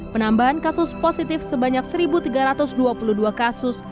penambahan kasus positif sebanyak satu tiga ratus dua puluh dua kasus